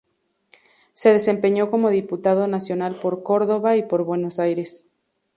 Se desempeñó como diputado nacional por Córdoba y por Buenos Aires.